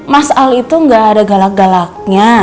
mas al itu gak ada galak galaknya